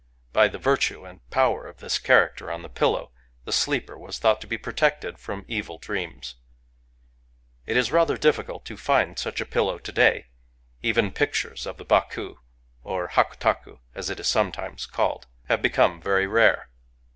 By the virtue and power of this character on the pillow, the sleeper was thought to be protected from evil dreams. It is ratheq difficult to find such a pillow to day: even pic tures of the Baku (or " Hakutaku," as it is some Digitized by Googk 248 THE EATER OF DREAMS rimes called) have become very rare.